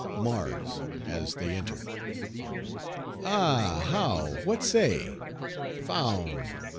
MARS (as they enter). Ah! how! what say? Found!